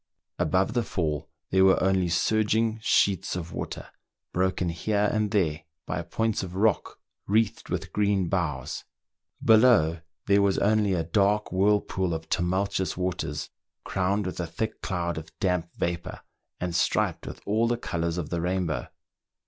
Above the fall there were only surging sheets of water, broken here and there by points of rock wreathed with green boughs ; below, there was only a dark whirlpool of tumultuous waters, crowned with a thick cloud of damp vapour, and striped with all the colours of the rainbow.